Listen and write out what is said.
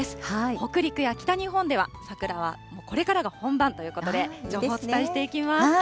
北陸や北日本では桜はこれからが本番ということで、情報をお伝えしていきます。